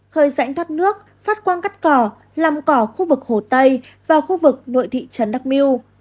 khơi rãnh thắt nước phát quang cắt cỏ làm cỏ khu vực hồ tây và khu vực nội thị trấn đắk miu